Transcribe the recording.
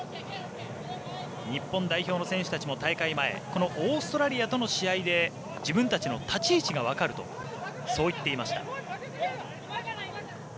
日本代表の選手たちも大会前オーストラリアとの試合で自分たちの立ち位置が分かるとそう言っていました。